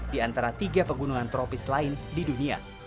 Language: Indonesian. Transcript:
di antara tiga pegunungan tropis lain di dunia